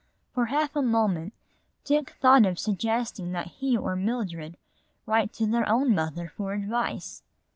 For half a moment Dick thought of suggesting that he or Mildred write to their own mother for advice.